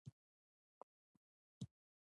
ایا ستاسو غږ به پورته شي؟